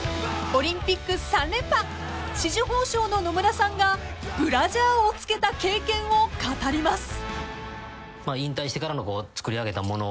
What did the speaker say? ［オリンピック３連覇紫綬褒章の野村さんがブラジャーを着けた経験を語ります］